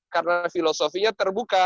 karena filosofinya terbuka